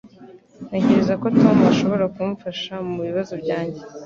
Ntekereza ko Tom ashobora kumfasha mubibazo byanjye.